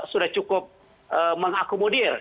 sudah cukup mengakomodir